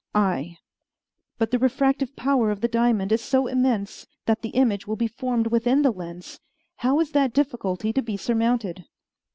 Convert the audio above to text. I. But the refractive power of the diamond is so immense that the image will be formed within the lens. How is that difficulty to be surmounted?